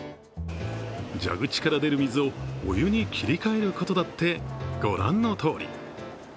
蛇口から出る水をお湯に切り替えることだって、ご覧のとおり。